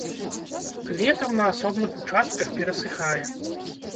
Летам на асобных участках перасыхае.